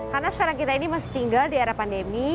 karena sekarang kita ini masih tinggal di era pandemi